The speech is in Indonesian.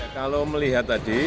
kalau melihat tadi